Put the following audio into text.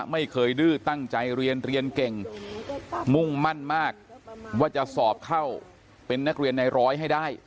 ไม่เคยดื้อตั้งใจเรียนเรียนเก่งมุ่งมั่นมากว่าจะสอบเข้าเป็นนักเรียนในร้อยให้ได้